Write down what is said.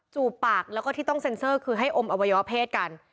ปากแล้วก็ที่ต้องเซ็นเซอร์คือให้อมอวัยวะเพศกัน